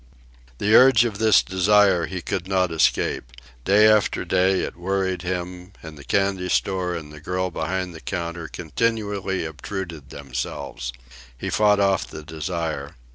The urge of this desire he could not escape. Day after day it worried him, and the candy shop and the girl behind the counter continually obtruded themselves. He fought off the desire.